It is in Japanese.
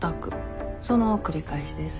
その繰り返しです。